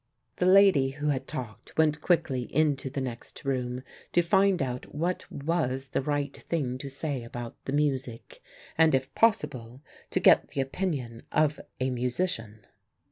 The lady who had talked went quickly into the next room to find out what was the right thing to say about the music, and if possible to get the opinion of a musician.